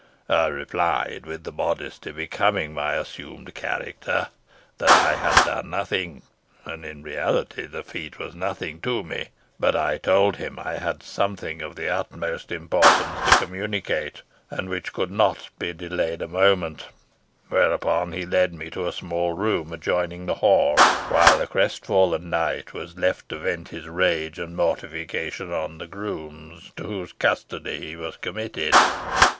I replied, with the modesty becoming my assumed character, that I had done nothing, and, in reality, the feat was nothing to me; but I told him I had something of the utmost importance to communicate, and which could not be delayed a moment; whereupon he led me to a small room adjoining the hall, while the crestfallen knight was left to vent his rage and mortification on the grooms to whose custody he was committed."